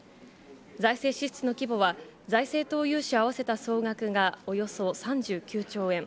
財政支出の規模は財政投融資を合わせた総額がおよそ３９兆円。